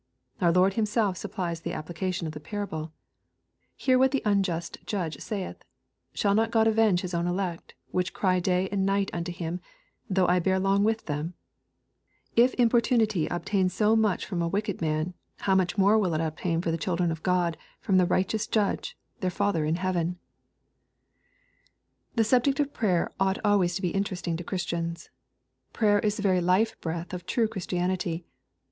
— Our Lord Himself supplies the applica tion of the parable :^' Hear what the unjust judge saith Shall not God avenge His own elect, which cry day and night unto Him, though I bear long with them ?" If importunity obtains so much from a wicked man, how much more will it obtain for the children of Qod from the Righteous Judge, their Father in heaven \ LUKE, uHAF. xyiii. 253 The subject of prayer ought always to be interesting to Christians. Prayer is the very life breath of true Christianity.